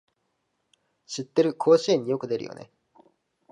知ってる、甲子園によく出るよね